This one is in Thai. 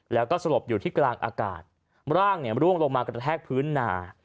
แล้วก็สลบอยู่ที่กลางอากาศร่างร่วงลงมากระแทกพื้นหนา